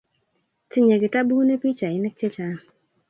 Tinye kitatabuni pichainik chechang